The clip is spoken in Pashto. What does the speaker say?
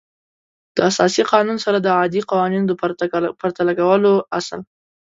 د اساسي قانون سره د عادي قوانینو د پرتله کولو اصل